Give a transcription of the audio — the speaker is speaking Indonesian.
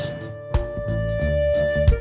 kenapa sudah kelihatan yang terlihat